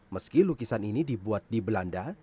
meski lukisan ini dibuat di belanda